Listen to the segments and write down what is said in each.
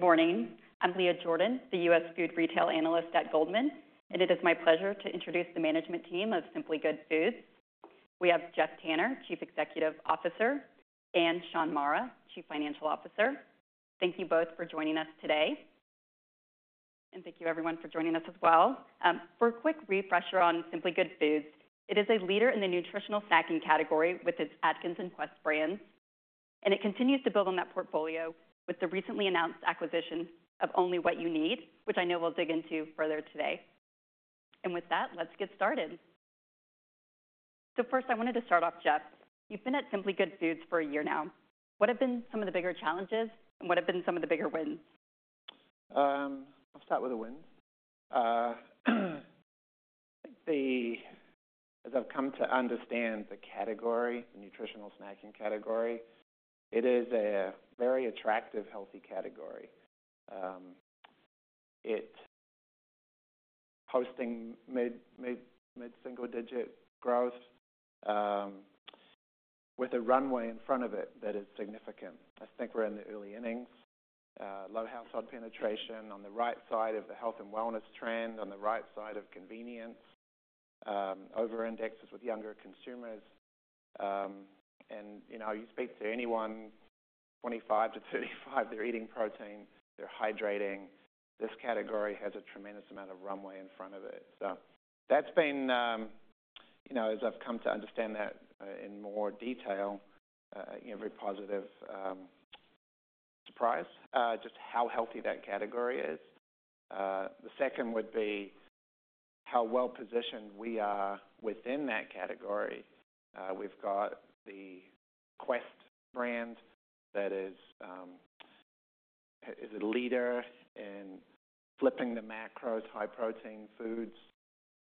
Good morning. I'm Leah Jordan, the U.S. Food Retail Analyst at Goldman, and it is my pleasure to introduce the management team of Simply Good Foods. We have Geoff Tanner, Chief Executive Officer, and Shaun Mara, Chief Financial Officer. Thank you both for joining us today. Thank you everyone for joining us as well. For a quick refresher on Simply Good Foods, it is a leader in the nutritional snacking category with its Atkins Quest brands, and it continues to build on that portfolio with the recently announced acquisition of Only What You Need, which I know we'll dig into further today. With that, let's get started. So first I wanted to start off, Geoff. You've been at Simply Good Foods for a year now. What have been some of the bigger challenges and what have been some of the bigger wins? I'll start with the wins. I think, as I've come to understand the category... the nutritional snacking category... it is a very attractive healthy category. It's hosting mid-single digit growth... with a runway in front of it that is significant. I think we're in the early innings. Low household penetration on the right side of the health and wellness trend... on the right side of convenience. Over-indexes with younger consumers. And you speak to anyone 25 to 35 they're eating protein... they're hydrating... this category has a tremendous amount of runway in front of it. So that's been, as I've come to understand that in more detail... a very positive surprise. Just how healthy that category is. The second would be how well positioned we are within that category. We've got the Quest brand that is a leader in flipping the macros high protein foods.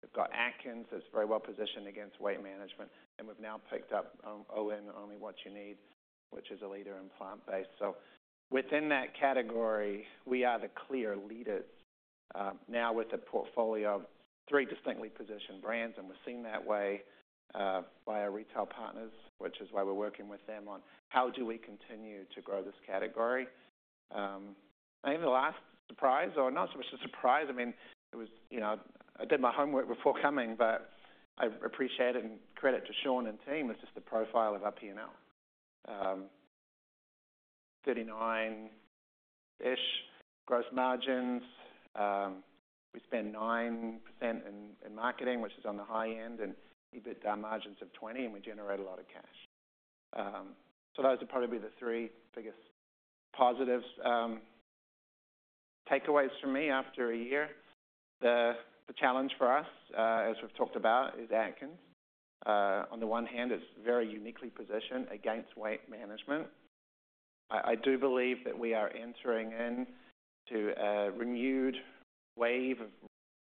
We've got Atkins that's very well positioned against weight management... and we've now picked up OWYN, Only What You Need... which is a leader in plant-based. So within that category we are the clear leaders... now with a portfolio of three distinctly positioned brands... and we're seen that way by our retail partners... which is why we're working with them on how do we continue to grow this category. Maybe the last surprise or not so much a surprise... I mean it was I did my homework before coming... but I appreciate and credit to Shaun and team... it's just the profile of our P&L. 39%-ish gross margins. We spend 9% in marketing which is on the high end... and we net our margins of 20 and we generate a lot of cash. So those are probably the three biggest positive takeaways for me after a year. The challenge for us as we've talked about is Atkins. On the one hand it's very uniquely positioned against weight management. I do believe that we are entering into a renewed wave of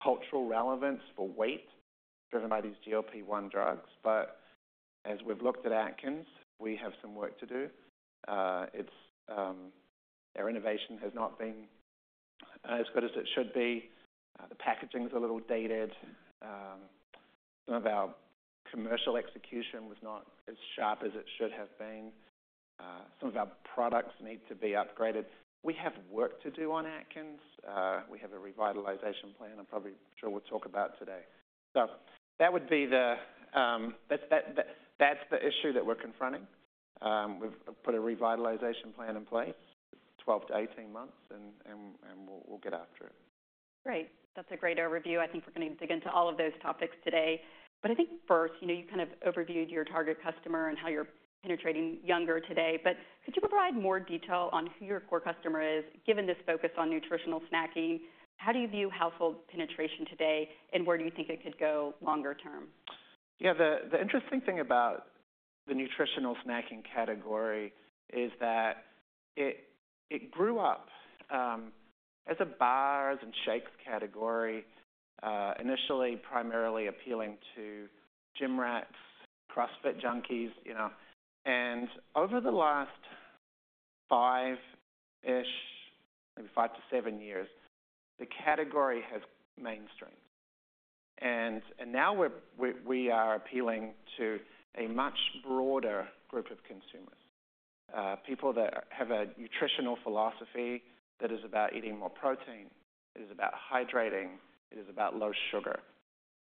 cultural relevance for weight... driven by these GLP-1 drugs. But as we've looked at Atkins we have some work to do. Their innovation has not been as good as it should be. The packaging's a little dated. Some of our commercial execution was not as sharp as it should have been. Some of our products need to be upgraded. We have work to do on Atkins. We have a revitalization plan I'm probably sure we'll talk about today. So that would be that's the issue that we're confronting. We've put a revitalization plan in place 12-18 months and we'll get after it. Great. That's a great overview. I think we're going to dig into all of those topics today. But I think first you kind of overviewed your target customer and how you're penetrating younger today, but could you provide more detail on who your core customer is, given this focus on nutritional snacking, how do you view household penetration today, and where do you think it could go longer term? Yeah, the interesting thing about the nutritional snacking category... is that it grew up as a bars and shakes category... initially primarily appealing to gym rats... CrossFit junkies. And over the last 5-ish... maybe 5-7 years... the category has mainstreamed. And now we are appealing to a much broader group of consumers. People that have a nutritional philosophy that is about eating more protein... it is about hydrating... it is about low sugar.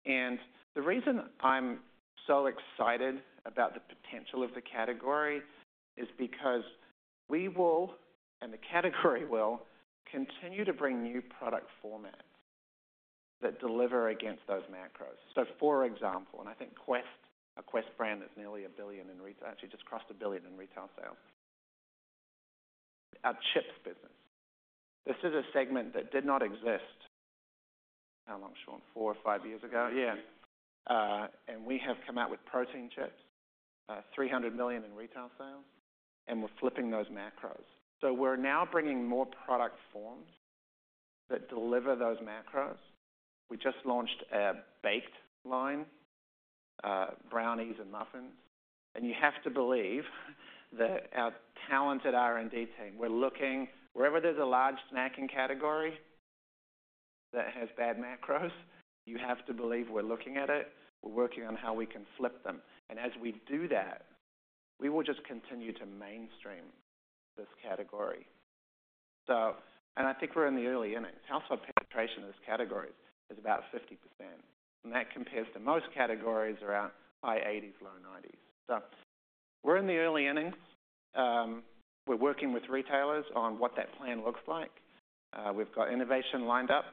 And the reason I'm so excited about the potential of the category... is because we will and the category will... continue to bring new product formats that deliver against those macros. So for example and I think Quest... a Quest brand that's nearly $1 billion in retail... actually just crossed $1 billion in retail sales. Our chips business. This is a segment that did not exist... how long Shaun... 4 or 5 years ago. Yeah. And we have come out with protein chips... $300 million in retail sales... and we're flipping those macros. So we're now bringing more product forms that deliver those macros. We just launched a baked line... brownies and muffins. And you have to believe that our talented R&D team... we're looking wherever there's a large snacking category that has bad macros... you have to believe we're looking at it. We're working on how we can flip them. And as we do that we will just continue to mainstream this category. So and I think we're in the early innings. Household penetration of these categories is about 50%. And that compares to most categories around high 80s-low 90s. So we're in the early innings. We're working with retailers on what that plan looks like. We've got innovation lined up...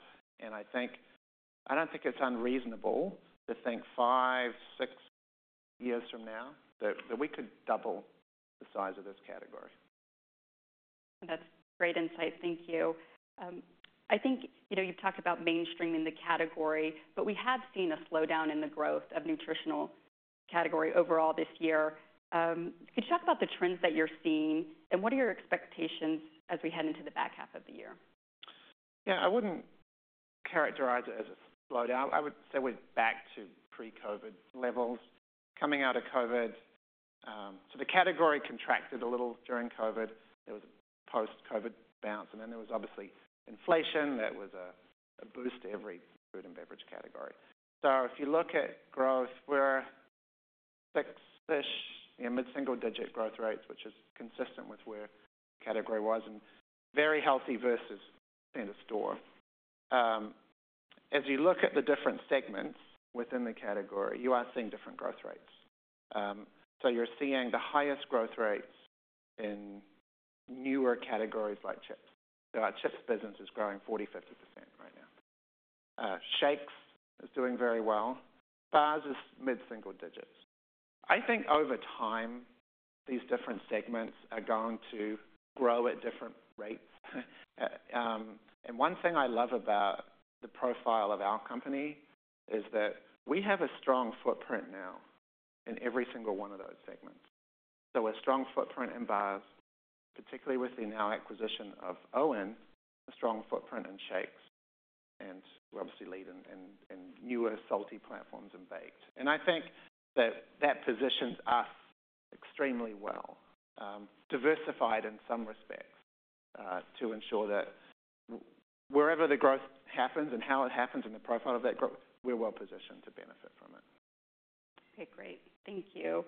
I don't think it's unreasonable to think 5-6 years from now that we could double the size of this category. That's great insight. Thank you. I think you've talked about mainstreaming the category... but we have seen a slowdown in the growth of nutritional category overall this year. Could you talk about the trends that you're seeing... and what are your expectations as we head into the back half of the year? Yeah, I wouldn't characterize it as a slowdown. I would say we're back to pre-COVID levels. Coming out of COVID... so the category contracted a little during COVID. There was a post-COVID bounce... and then there was obviously inflation that was a boost to every food and beverage category. So if you look at growth, we're 6-ish mid-single-digit growth rates... which is consistent with where the category was... and very healthy versus standalone store. As you look at the different segments within the category... you are seeing different growth rates. So you're seeing the highest growth rates in newer categories like chips. So our chips business is growing 40%-50% right now. Shakes is doing very well. Bars is mid-single digits. I think over time these different segments are going to grow at different rates. And one thing I love about the profile of our company... is that we have a strong footprint now in every single one of those segments. So a strong footprint in bars... particularly with the now acquisition of OWYN... a strong footprint in shakes... and we obviously lead in newer salty platforms and baked. And I think that that positions us extremely well. Diversified in some respects to ensure that wherever the growth happens... and how it happens and the profile of that growth... we're well positioned to benefit from it. Okay, great. Thank you.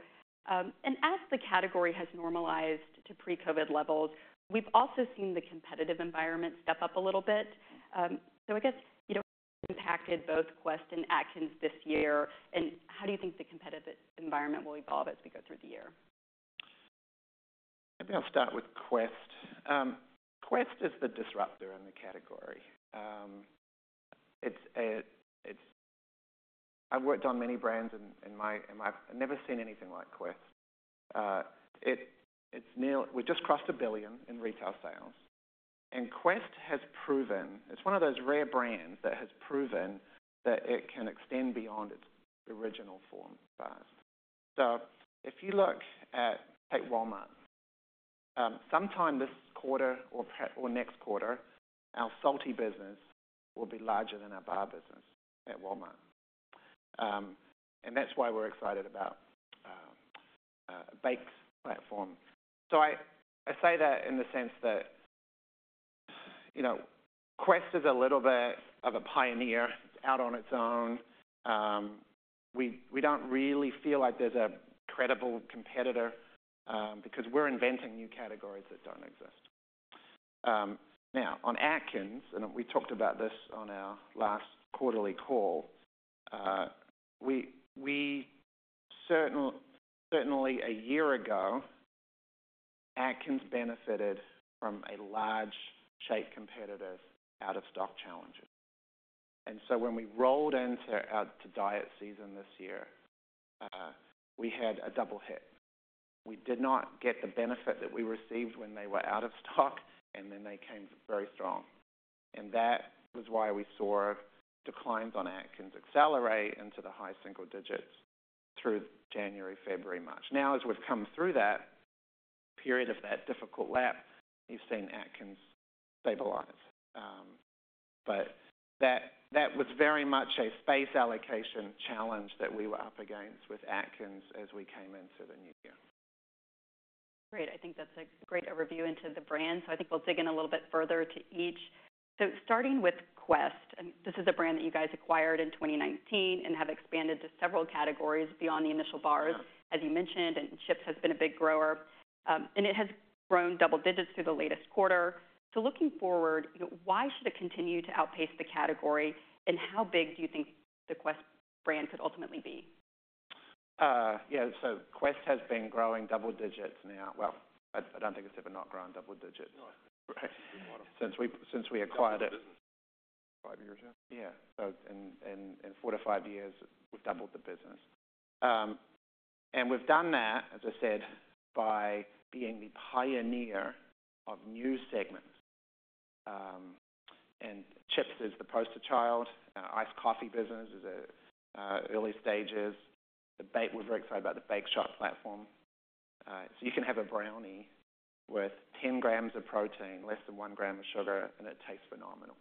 And as the category has normalized to pre-COVID levels, we've also seen the competitive environment step up a little bit. So I guess it impacted both Quest and Atkins this year, and how do you think the competitive environment will evolve as we go through the year? Maybe I'll start with Quest. Quest is the disruptor in the category. I've worked on many brands and I've never seen anything like Quest. We've just crossed $1 billion in retail sales. And Quest has proven it's one of those rare brands that has proven... that it can extend beyond its original form bars. So if you look at take Walmart... sometime this quarter or next quarter... our salty business will be larger than our bar business at Walmart. And that's why we're excited about a baked platform. So I say that in the sense that Quest is a little bit of a pioneer. It's out on its own. We don't really feel like there's a credible competitor... because we're inventing new categories that don't exist. Now on Atkins and we talked about this on our last quarterly call. We certainly a year ago... Atkins benefited from a large share competitor out of stock challenges. So when we rolled into diet season this year... we had a double hit. We did not get the benefit that we received when they were out of stock... and then they came very strong. That was why we saw declines on Atkins accelerate into the high single digits... through January, February, March. Now as we've come through that period of that difficult lap... you've seen Atkins stabilize. That was very much a space allocation challenge... that we were up against with Atkins as we came into the new year. Great. I think that's a great overview into the brands... so I think we'll dig in a little bit further to each. So starting with Quest... this is a brand that you guys acquired in 2019... and have expanded to several categories beyond the initial bars... as you mentioned and chips has been a big grower. And it has grown double digits through the latest quarter. So looking forward why should it continue to outpace the category... and how big do you think the Quest brand could ultimately be? Yeah, so Quest has been growing double digits now. Well, I don't think it's ever not grown double digits... since we acquired it 5 years ago. Yeah, so in 4-5 years we've doubled the business. And we've done that, as I said, by being the pioneer of new segments. And chips is the poster child. Iced coffee business is in early stages. We're very excited about the Bake Shop platform. So you can have a brownie with 10 grams of protein... less than 1 gram of sugar, and it tastes phenomenal.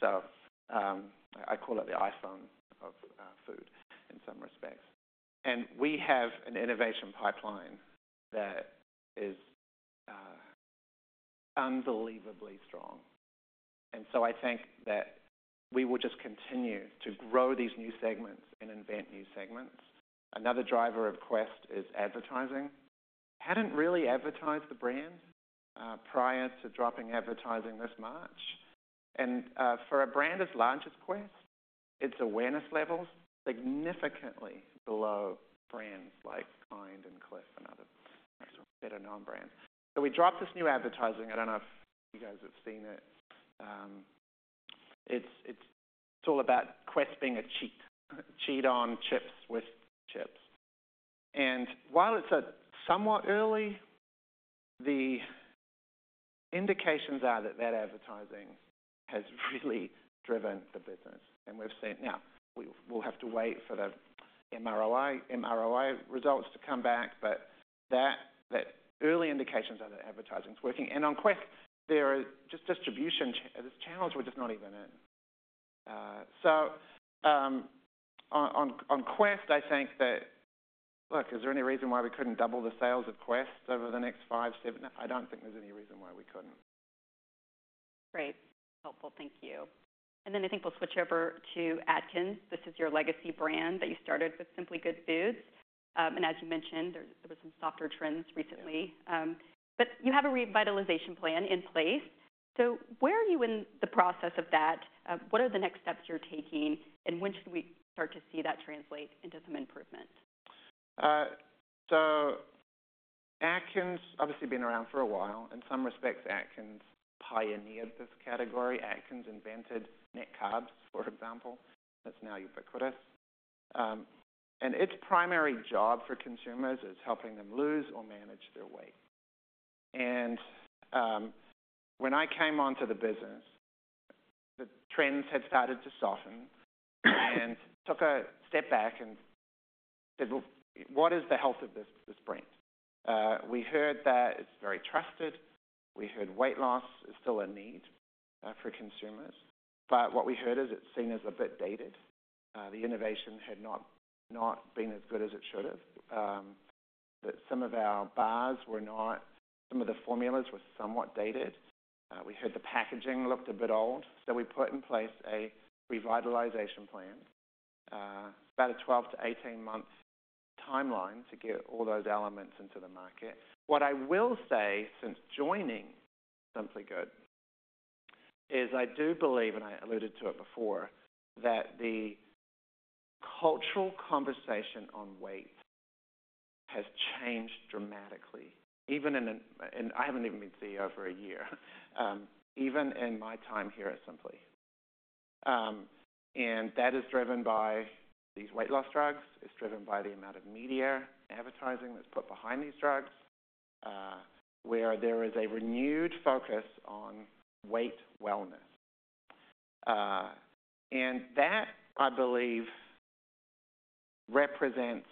So I call it the iPhone of food in some respects. And we have an innovation pipeline that is unbelievably strong. And so I think that we will just continue to grow these new segments... and invent new segments. Another driver of Quest is advertising. Hadn't really advertised the brand prior to dropping advertising this March. For a brand as large as Quest... its awareness levels significantly below brands like KIND and Clif... and other better known brands. So we dropped this new advertising. I don't know if you guys have seen it. It's all about Quest being a cheat. Cheat on chips with chips. And while it's somewhat early... the indications are that that advertising has really driven the business. And we've seen now we'll have to wait for the MROI results to come back... but that early indications are that advertising's working. And on Quest there are just distribution challenges we're just not even in. So on Quest I think that look is there any reason why we couldn't double the sales of Quest over the next 5-7... I don't think there's any reason why we couldn't. Great. Helpful. Thank you. And then I think we'll switch over to Atkins. This is your legacy brand that you started with Simply Good Foods. And as you mentioned there were some softer trends recently. But you have a revitalization plan in place. So where are you in the process of that? What are the next steps you're taking... and when should we start to see that translate into some improvement? So Atkins obviously been around for a while. In some respects Atkins pioneered this category. Atkins invented net carbs for example. That's now ubiquitous. And its primary job for consumers is helping them lose or manage their weight. And when I came onto the business... the trends had started to soften. And took a step back and said well what is the health of this brand? We heard that it's very trusted. We heard weight loss is still a need for consumers. But what we heard is it's seen as a bit dated. The innovation had not been as good as it should have. That some of our bars were not some of the formulas were somewhat dated. We heard the packaging looked a bit old. So we put in place a revitalization plan. About a 12- to 18-month timeline to get all those elements into the market. What I will say since joining Simply Good... is I do believe and I alluded to it before... that the cultural conversation on weight has changed dramatically. Even in and I haven't even been CEO for a year. Even in my time here at Simply. That is driven by these weight loss drugs. It's driven by the amount of media advertising that's put behind these drugs, where there is a renewed focus on weight wellness. That I believe represents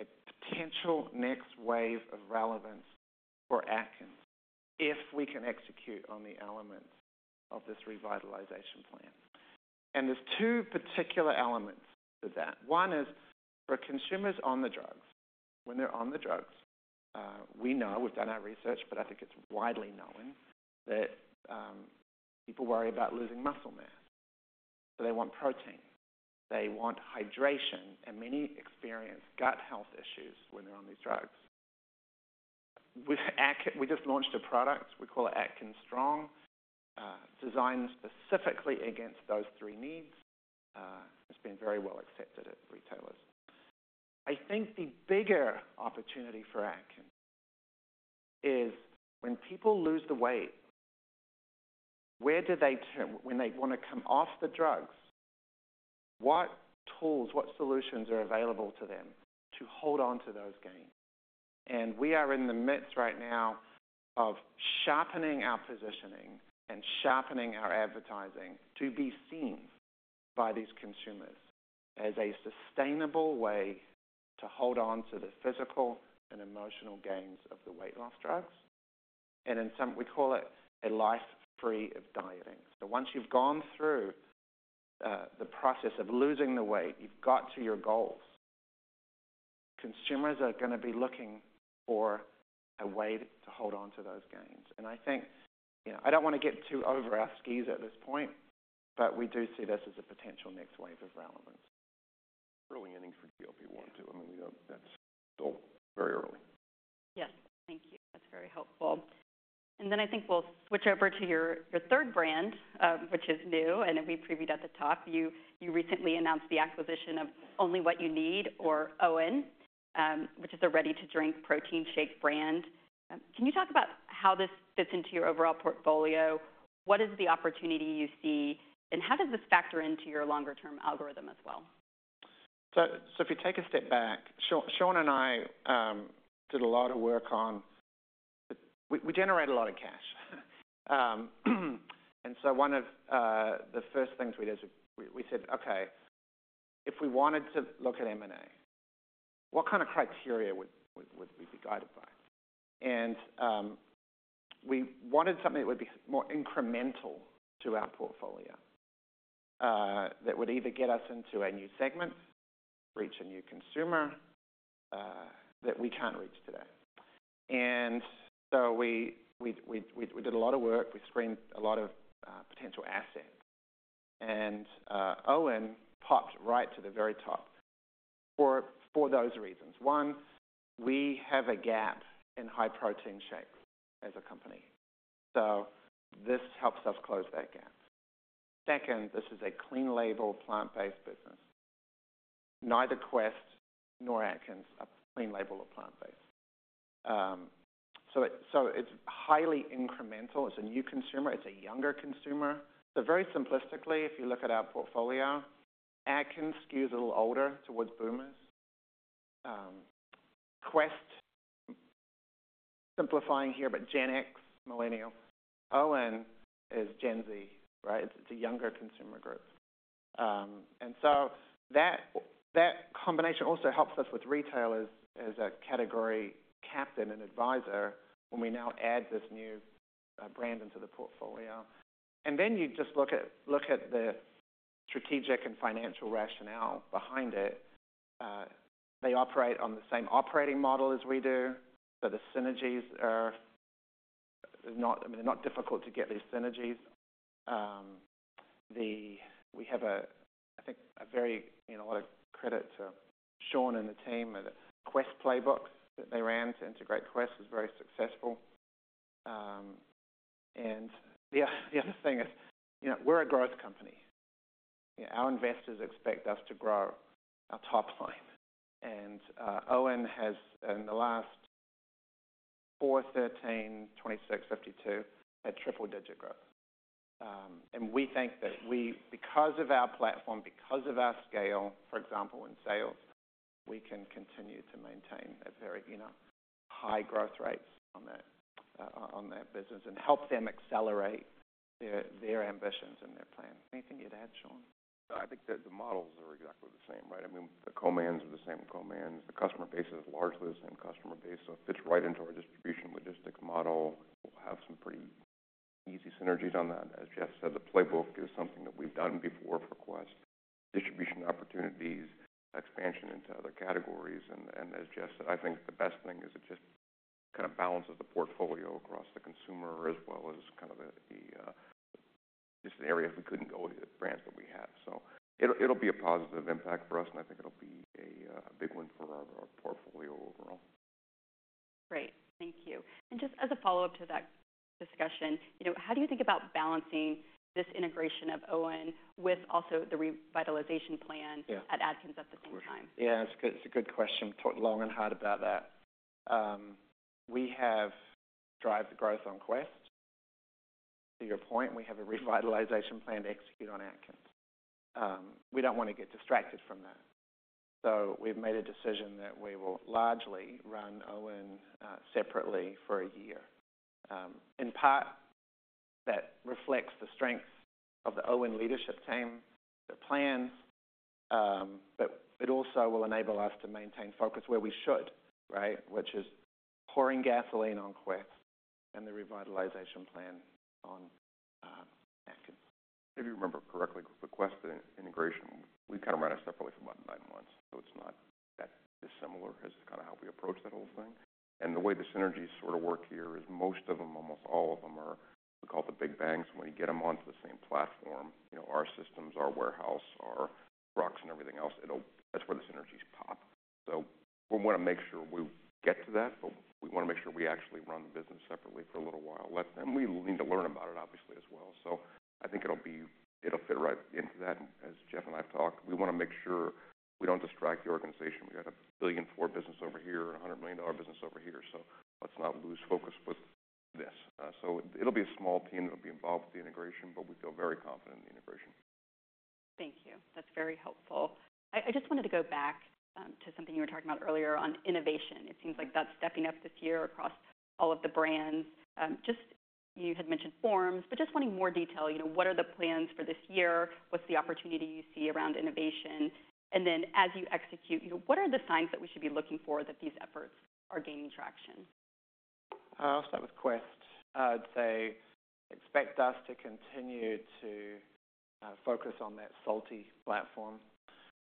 a potential next wave of relevance for Atkins... if we can execute on the elements of this revitalization plan. There's two particular elements to that. One is for consumers on the drugs. When they're on the drugs we know we've done our research... but I think it's widely known that people worry about losing muscle mass. So they want protein. They want hydration and many experience gut health issues when they're on these drugs. We just launched a product we call it Atkins Strong. Designed specifically against those three needs. It's been very well accepted at retailers. I think the bigger opportunity for Atkins is when people lose the weight, where do they turn when they want to come off the drugs, what tools what solutions are available to them to hold on to those gains. And we are in the midst right now of sharpening our positioning and sharpening our advertising to be seen by these consumers as a sustainable way to hold on to the physical and emotional gains of the weight loss drugs. And in some we call it a life free of dieting. So once you've gone through the process of losing the weight, you've got to your goals. Consumers are going to be looking for a way to hold on to those gains. I think I don't want to get too overexcited at this point... but we do see this as a potential next wave of relevance. Early innings for GLP-1 too. I mean, we don't. That's still very early. Yes, thank you. That's very helpful. And then I think we'll switch over to your third brand, which is new... and we previewed at the top. You recently announced the acquisition of Only What You Need or OWYN... which is a ready-to-drink protein shake brand. Can you talk about how this fits into your overall portfolio? What is the opportunity you see... and how does this factor into your longer term algorithm as well? So if you take a step back, Shaun and I did a lot of work on we generate a lot of cash. And so one of the first things we did is we said okay... if we wanted to look at M&A... what kind of criteria would we be guided by? And we wanted something that would be more incremental to our portfolio. That would either get us into a new segment... reach a new consumer... that we can't reach today. And so we did a lot of work. We screened a lot of potential assets. And OWYN popped right to the very top for those reasons. One we have a gap in high protein shakes as a company. So this helps us close that gap. Second this is a clean label plant-based business. Neither Quest nor Atkins are clean label or plant-based. So it's highly incremental. It's a new consumer. It's a younger consumer. So very simplistically if you look at our portfolio, Atkins skews a little older towards Boomers. Quest, simplifying here but Gen X Millennials. OWYN is Gen Z right? It's a younger consumer group. And so that combination also helps us with retailers as a category captain and advisor when we now add this new brand into the portfolio. And then you just look at the strategic and financial rationale behind it. They operate on the same operating model as we do. So the synergies are not, I mean, they're not difficult to get these synergies. We have, I think, a very a lot of credit to Shaun and the team. Quest playbooks that they ran to integrate Quest was very successful. And the other thing is we're a growth company. Our investors expect us to grow our top line. OWYN has in the last 4 13 26 52 had triple-digit growth. We think that we because of our platform because of our scale for example in sales we can continue to maintain a very high growth rates on that business and help them accelerate their ambitions and their plan. Anything you'd add Shaun? I think that the models are exactly the same, right? I mean, the commands are the same commands. The customer base is largely the same customer base. So, it fits right into our distribution logistics model. We'll have some pretty easy synergies on that. As Geoff said, the playbook is something that we've done before for Quest. Distribution opportunities, expansion into other categories. And as Geoff said, I think the best thing is it just kind of balances the portfolio across the consumer as well as kind of the just an area we couldn't go with the brands that we have. So, it'll be a positive impact for us, and I think it'll be a big one for our portfolio overall. Great. Thank you. And just as a follow up to that discussion... how do you think about balancing this integration of OWYN... with also the revitalization plan at Atkins at the same time? Yeah, it's a good question. Talked long and hard about that. We have driven the growth on Quest. To your point, we have a revitalization plan to execute on Atkins. We don't want to get distracted from that. So we've made a decision that we will largely run OWYN separately for a year. In part that reflects the strengths of the OWYN leadership team... their plans. But it also will enable us to maintain focus where we should, right? Which is pouring gasoline on Quest... and the revitalization plan on Atkins. If you remember correctly, the Quest integration we kind of ran it separately for about 9 months. So it's not that dissimilar as to kind of how we approach that whole thing. And the way the synergies sort of work here is most of them, almost all of them, are we call it the big bangs. When you get them onto the same platform, our systems, our warehouse, our ops, and everything else, that's where the synergies pop. So we want to make sure we get to that, but we want to make sure we actually run the business separately for a little while. And we need to learn about it obviously as well. So I think it'll be, it'll fit right into that. And as Geoff and I've talked, we want to make sure we don't distract the organization. We got a $1 billion-dollar business over here and a $100 million dollar business over here. So let's not lose focus with this. So it'll be a small team that'll be involved with the integration, but we feel very confident in the integration. Thank you. That's very helpful. I just wanted to go back to something you were talking about earlier on innovation. It seems like that's stepping up this year across all of the brands. Just you had mentioned forms... but just wanting more detail. What are the plans for this year? What's the opportunity you see around innovation? And then as you execute what are the signs that we should be looking for... that these efforts are gaining traction? I'll start with Quest. I'd say expect us to continue to focus on that salty platform.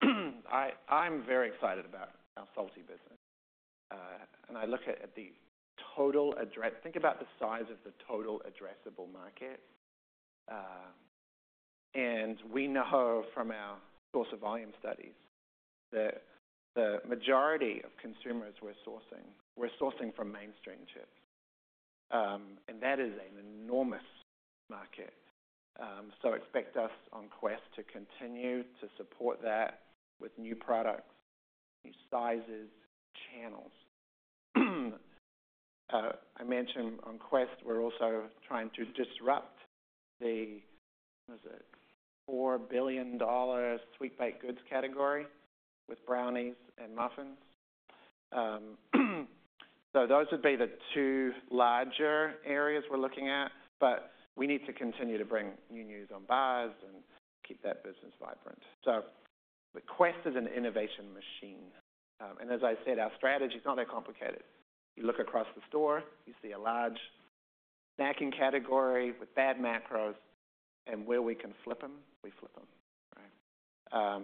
I'm very excited about our salty business. And I look at the total address think about the size of the total addressable market. And we know from our source of volume studies... that the majority of consumers we're sourcing we're sourcing from mainstream chips. And that is an enormous market. So expect us on Quest to continue to support that with new products... new sizes channels. I mentioned on Quest we're also trying to disrupt the what is it $4 billion sweet baked goods category... with brownies and muffins. So those would be the two larger areas we're looking at. But we need to continue to bring new news on bars and keep that business vibrant. So the Quest is an innovation machine. And as I said our strategy is not that complicated. You look across the store. You see a large snacking category with bad macros... and where we can flip them, we flip them, right?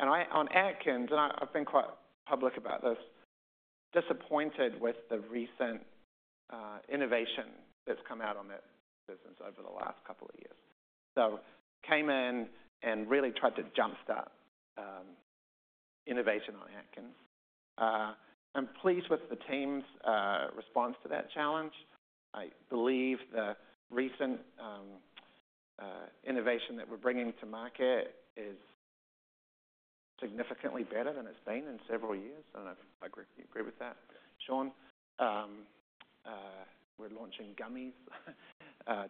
And I'm on Atkins, and I've been quite public about this... disappointed with the recent innovation that's come out on that business over the last couple of years. So I came in and really tried to jump start innovation on Atkins. I'm pleased with the team's response to that challenge. I believe the recent innovation that we're bringing to market... is significantly better than it's been in several years. I don't know if I agree with that, Shaun. We're launching gummies.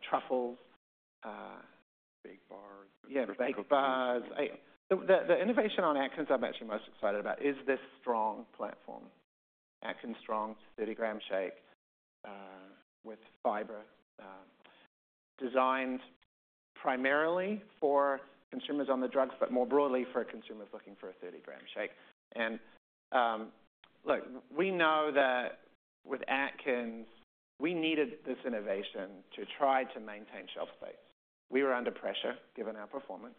Truffles. Big bars. Yeah, big bars. The innovation on Atkins I'm actually most excited about is this Strong platform. Atkins Strong 30-gram shake with fiber. Designed primarily for consumers on the drugs... but more broadly for consumers looking for a 30-gram shake. Look, we know that with Atkins we needed this innovation to try to maintain shelf space. We were under pressure given our performance.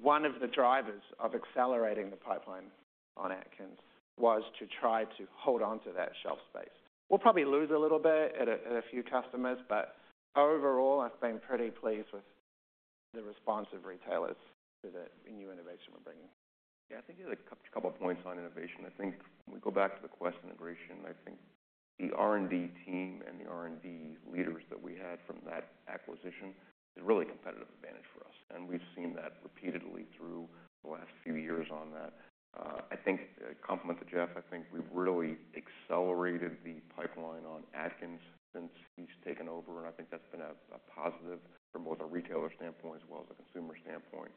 One of the drivers of accelerating the pipeline on Atkins... was to try to hold on to that shelf space. We'll probably lose a little bit at a few customers... but overall I've been pretty pleased with the response of retailers to the new innovation we're bringing. Yeah, I think there's a couple points on innovation. I think when we go back to the Quest integration... I think the R&D team and the R&D leaders that we had from that acquisition... is really a competitive advantage for us. And we've seen that repeatedly through the last few years on that. I think complement to Geoff, I think we've really accelerated the pipeline on Atkins since he's taken over... and I think that's been a positive from both a retailer standpoint... as well as a consumer standpoint.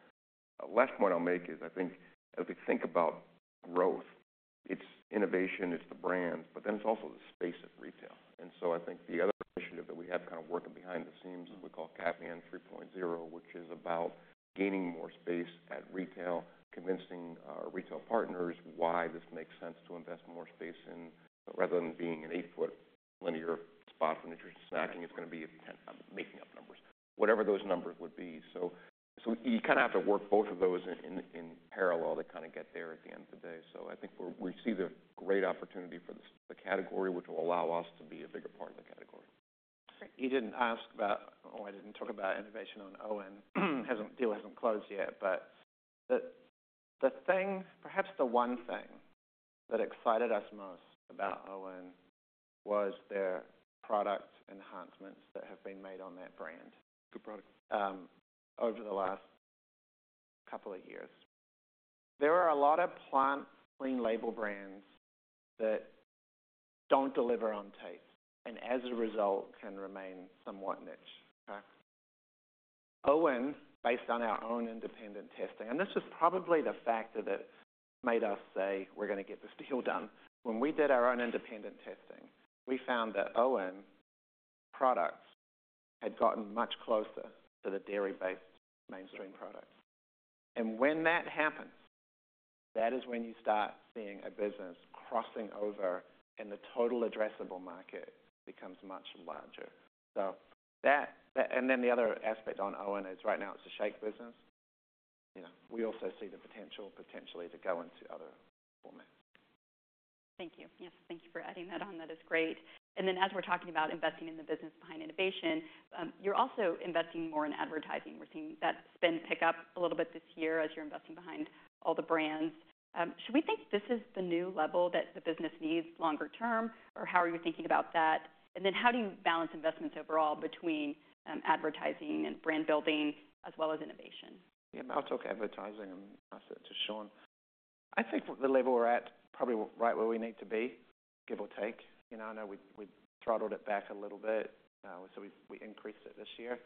Last point I'll make is I think as we think about growth... it's innovation, it's the brands... but then it's also the space of retail. And so I think the other initiative that we have kind of working behind the scenes... we call CatMan 3.0, which is about gaining more space at retail... Convincing our retail partners why this makes sense to invest more space in... rather than being an 8-foot linear spot for nutrition snacking... it's going to be making up numbers. Whatever those numbers would be. So you kind of have to work both of those in parallel to kind of get there at the end of the day. So I think we see the great opportunity for the category... which will allow us to be a bigger part of the category. You didn't ask about. Oh, I didn't talk about innovation on OWYN. The deal hasn't closed yet. But the thing, perhaps the one thing, that excited us most about OWYN was their product enhancements that have been made on that brand. Good product. Over the last couple of years. There are a lot of plant clean-label brands... that don't deliver on taste. And as a result can remain somewhat niche. OWYN based on our own independent testing... and this is probably the factor that made us say we're going to get this deal done. When we did our own independent testing... we found that OWYN products had gotten much closer to the dairy-based mainstream products. And when that happens... that is when you start seeing a business crossing over... and the total addressable market becomes much larger. So that and then the other aspect on OWYN is right now it's a shake business. We also see the potential potentially to go into other formats. Thank you. Yes, thank you for adding that on. That is great. And then, as we're talking about investing in the business behind innovation, you're also investing more in advertising. We're seeing that spend pick up a little bit this year, as you're investing behind all the brands. Should we think this is the new level that the business needs longer term, or how are you thinking about that? And then how do you balance investments overall, between advertising and brand building as well as innovation? Yeah, I'll talk advertising and I'll say it to Shaun. I think the level we're at probably right where we need to be, give or take. I know we throttled it back a little bit, so we increased it this year.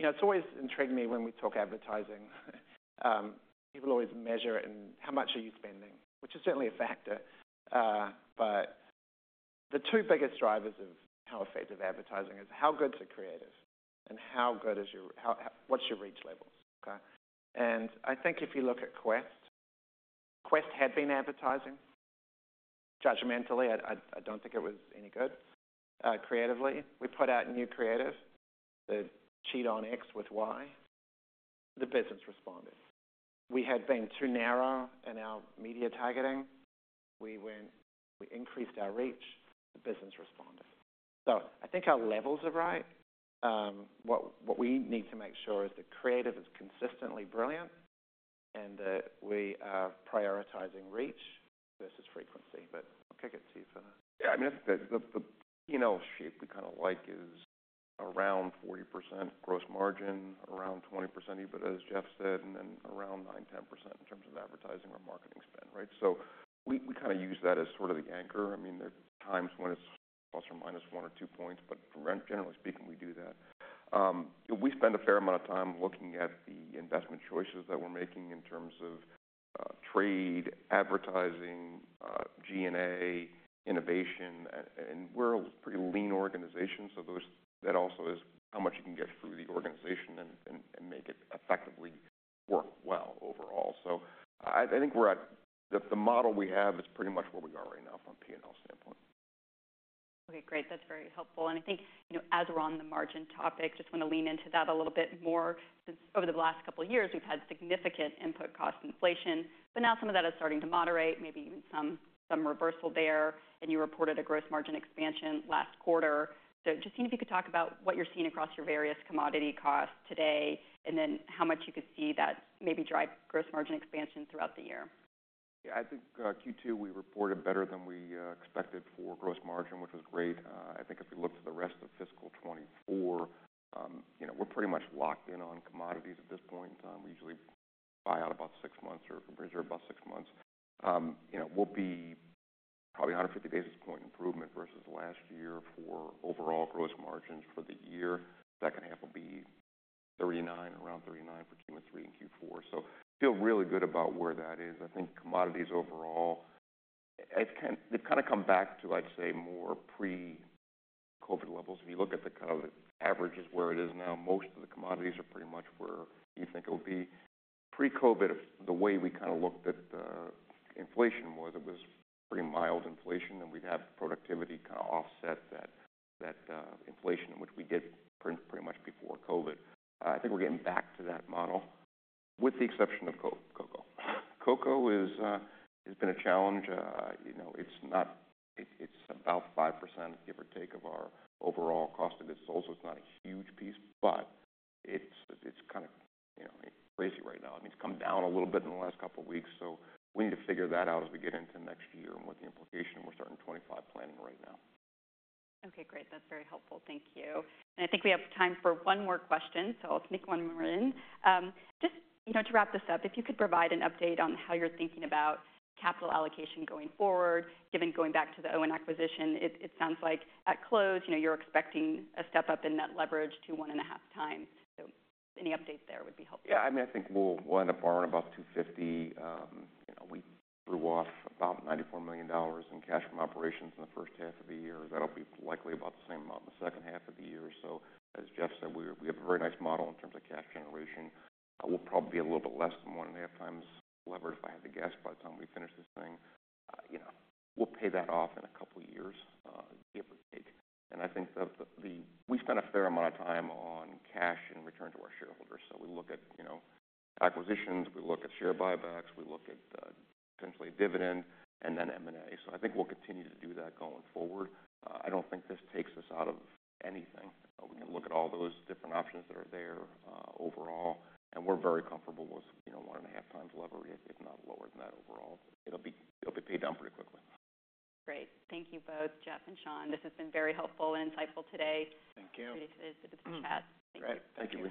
It's always intrigued me when we talk advertising. People always measure it and how much are you spending... which is certainly a factor. But the two biggest drivers of how effective advertising is... how good's the creative? And how good is your reach levels? And I think if you look at Quest... Quest had been advertising judgmentally. I don't think it was any good creatively. We put out new creative. The cheat on X with Y. The business responded. We had been too narrow in our media targeting. We went, we increased our reach. The business responded. So I think our levels are right. What we need to make sure is the creative is consistently brilliant... and that we are prioritizing reach versus frequency. But I'll kick it to you for that. Yeah, I mean, I think that the P&L shape we kind of like is around 40% gross margin around 20% even as Geoff said, and then around 9%-10% in terms of advertising or marketing spend, right? So we kind of use that as sort of the anchor. I mean there are times when it's plus or minus 1 or 2 points, but generally speaking we do that. We spend a fair amount of time looking at the investment choices that we're making in terms of trade, advertising, G&A, innovation, and we're a pretty lean organization. So those that also is how much you can get through the organization and make it effectively work well overall. So I think we're at the model we have is pretty much where we are right now from a P&L standpoint. Okay, great. That's very helpful. And I think as we're on the margin topic, just want to lean into that a little bit more. Since over the last couple of years we've had significant input cost inflation, but now some of that is starting to moderate. Maybe even some reversal there. And you reported a gross margin expansion last quarter. So just seeing if you could talk about what you're seeing across your various commodity costs today, and then how much you could see that maybe drive gross margin expansion throughout the year. Yeah, I think Q2 we reported better than we expected for gross margin, which was great. I think if we look to the rest of fiscal 2024... we're pretty much locked in on commodities at this point in time. We usually buy out about six months or reserve about six months. We'll be probably 150 basis point improvement versus last year... for overall gross margins for the year. Second half will be 39 around 39 for Q3 and Q4. So feel really good about where that is. I think commodities overall they've kind of come back to I'd say more pre-COVID levels. If you look at the kind of averages where it is now... most of the commodities are pretty much where you think it would be. Pre-COVID the way we kind of looked at the inflation was... It was pretty mild inflation and we'd have productivity kind of offset that inflation, in which we did pretty much before COVID. I think we're getting back to that model with the exception of cocoa. Cocoa has been a challenge. It's not, it's about 5% give or take of our overall cost of goods sold. So it's not a huge piece. But it's kind of crazy right now. I mean it's come down a little bit in the last couple of weeks. So we need to figure that out as we get into next year and what the implication and we're starting 25 planning right now. Okay great. That's very helpful. Thank you. And I think we have time for one more question. So I'll sneak one more in. Just to wrap this up... if you could provide an update on how you're thinking about capital allocation going forward... given going back to the OWYN acquisition. It sounds like at close you're expecting a step up in net leverage to 1.5x. So any update there would be helpful. Yeah, I mean, I think we'll end up borrowing about $250 million. We threw off about $94 million in cash from operations in the first half of the year... that'll be likely about the same amount in the second half of the year. So as Geoff said, we have a very nice model in terms of cash generation. We'll probably be a little bit less than 1.5 times leveraged if I had to guess... by the time we finish this thing. We'll pay that off in a couple of years give or take. And I think that we spent a fair amount of time on cash and return to our shareholders. So we look at acquisitions. We look at share buybacks. We look at potentially dividend and then M&A. So I think we'll continue to do that going forward. I don't think this takes us out of anything. We can look at all those different options that are there overall... and we're very comfortable with 1.5x leverage if not lower than that overall. It'll be paid down pretty quickly. Great. Thank you both Geoff and Shaun. This has been very helpful and insightful today. Thank you. Pretty good bit of chat. Thank you. Right. Thank you.